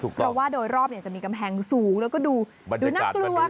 เพราะว่าโดยรอบจะมีกำแพงสูงแล้วก็ดูน่ากลัว